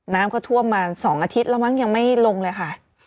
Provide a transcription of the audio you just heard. น้ำก็ท่วมมา๒อาทิตย์แล้วมั้งยังไม่ลงเลยค่ะ